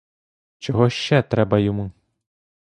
Чого ще треба йому?